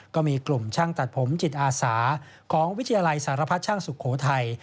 ก็มีกลุ่มช่างตัดผมจิตอาสาของวิทยาลัยสารพัดช่างสุโขทัย